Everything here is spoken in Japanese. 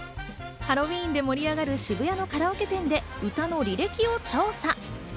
ハロウィーンで盛り上がる渋谷のカラオケ店で歌の履歴を調査。